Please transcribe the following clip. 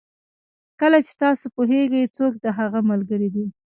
کله چې تاسو پوهېږئ څوک د هغه ملګري دي.